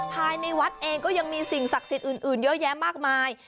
ภายในวัดเองก็ยังมีสิ่งศักดิ์สิทธิ์อื่นเยอะแยะมากมาย